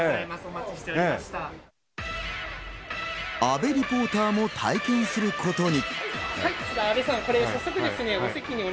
阿部リポーターも体験することに。